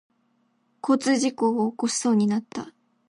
交通事故を起こしそうになった。